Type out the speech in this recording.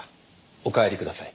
お帰りください。